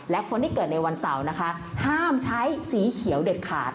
และคนที่เกิดในวันเสาร์นะคะห้ามใช้สีเขียวเด็ดขาด